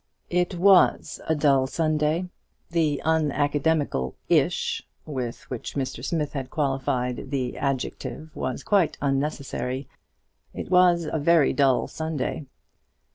It was a dull Sunday. The unacademical "ish" with which Mr. Smith had qualified the adjective was quite unnecessary. It was a very dull Sunday.